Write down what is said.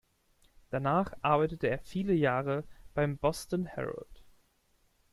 Danach arbeitete er viele Jahre beim Boston Herald.